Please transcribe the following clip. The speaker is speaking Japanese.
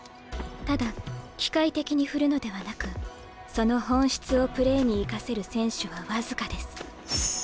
ただ機械的に振るのではなくその本質をプレーに生かせる選手は僅かです。